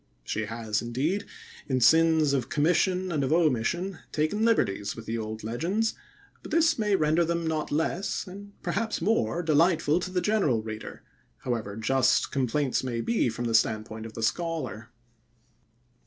She has, indeed, in sins of commission and of omission, taken liberties with the old legends, but this may render them not less, and perhaps more, delightful to the general reader, however just complaints may be from the standpoint of the scholar.